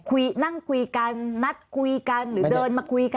นั่งคุยกันนัดคุยกันหรือเดินมาคุยกัน